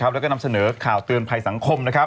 แล้วก็นำเสนอข่าวเตือนภัยสังคม